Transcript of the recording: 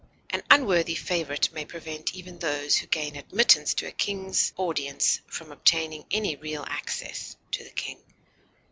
An unworthy favorite may prevent even those who gain admittance to a king's audience from obtaining any real access to the king.